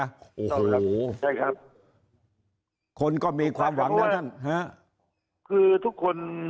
โอ้โหใช่ครับคนก็มีความหวังนะท่านฮะคือทุกคน